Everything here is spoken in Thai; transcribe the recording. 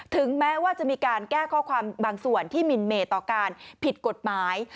ถึงแม้ว่าจะมีการแก้ข้อความบางส่วนที่มินเมตต่อการผิดกฎหมาย